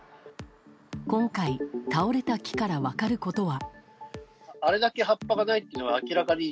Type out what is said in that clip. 今回倒れた木から分かることは。